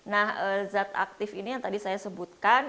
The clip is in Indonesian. nah zat aktif ini yang tadi saya sebutkan